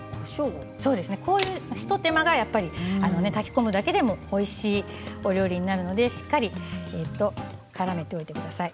こういう一手間がやっぱり炊き込むだけでもおいしいお料理になるのでしっかりからめておいてください。